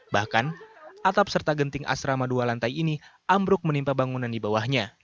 bahkan atap serta genting asrama dua lantai ini ambruk menimpa bangunan di bawahnya